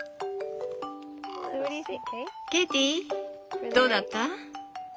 ケイティどうだった？